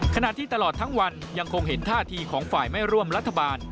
ขณะที่ตลอดทั้งวันยังคงเห็นท่าทีของฝ่ายไม่ร่วมรัฐบาล